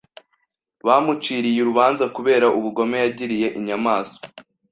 Bamuciriye urubanza kubera ubugome yagiriye inyamaswa.